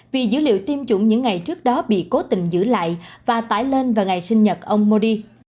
vì dữ liệu tiêm chủng những ngày trước đó bị cố tình giữ lại và tải lên vào ngày sinh nhật ông modi